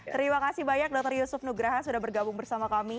terima kasih banyak dokter yusuf nugraha sudah bergabung bersama kami